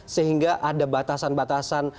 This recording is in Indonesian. sehingga ada batasan batasan